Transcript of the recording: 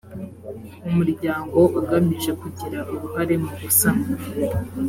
umuryango ugamije kugira uruhare mu gusana